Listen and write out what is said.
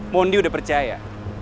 mondi udah percaya